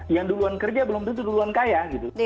yang duluan kerja belum tentu duluan kaya gitu